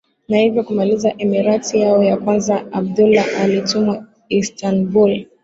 na hivyo kumaliza emirati yao ya kwanza Abdullah alitumwa Istanbul